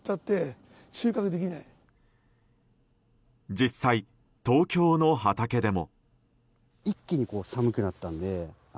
実際、東京の畑でも。